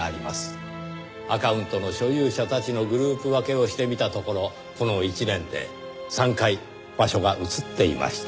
アカウントの所有者たちのグループ分けをしてみたところこの一年で３回場所が移っていました。